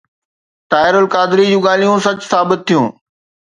طاهر القادري جون ڳالهيون سچ ثابت ٿيون.